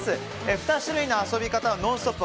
２種類の遊び方を「ノンストップ！」